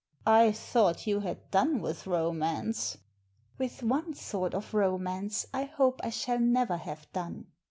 " I thought you had done with romance." " With one sort of romance I hope I shall never have done."